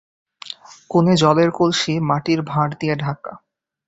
কোণে জলের কলসী মাটির ভাঁড় দিয়ে ঢাকা।